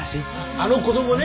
あの子供ね